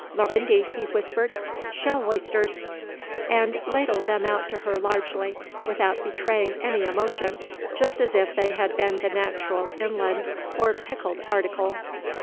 "Lorindy," he whispered, "shell oysters" And ladled them out to her largely, without betraying any emotion, just as if they had been the natural inland or pickled article.